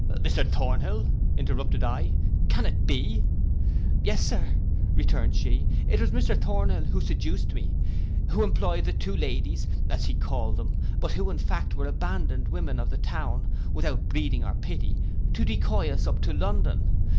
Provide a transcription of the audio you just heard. '—'Mr Thornhill,' interrupted I, 'can it be?'—'Yes, Sir,' returned she, 'it was Mr Thornhill who seduced me, who employed the two ladies, as he called them, but who, in fact, were abandoned women of the town, without breeding or pity, to decoy us up to London.